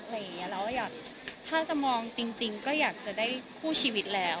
แล้วถ้าจะมองจริงก็อยากจะได้คู่ชีวิตแล้ว